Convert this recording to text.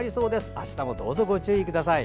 あしたもどうぞご注意ください。